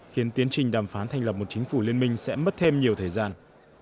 khiến tiến trình đàm phán thành lập một chính phủ liên minh sẽ mất thêm nhiều thời gian